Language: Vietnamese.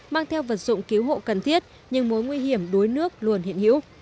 mang theo vật dụng cứu hộ cần thiết nhưng mối nguy hiểm đuối nước luôn hiện hữu